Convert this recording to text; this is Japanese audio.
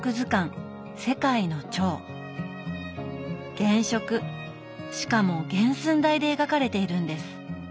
原色しかも原寸大で描かれているんです！